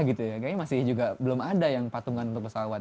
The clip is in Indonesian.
kayaknya masih juga belum ada yang patungan untuk pesawat